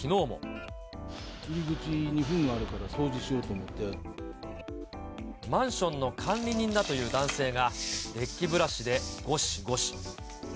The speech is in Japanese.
入り口にふんがあるから、マンションの管理人だという男性が、デッキブラシでごしごし。